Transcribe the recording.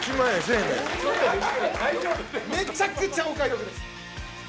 めちゃくちゃお買い得です。